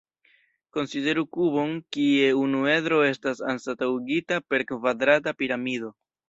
Konsideru kubon kie unu edro estas anstataŭigita per kvadrata piramido.